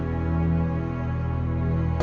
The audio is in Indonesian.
kami mau mencari duit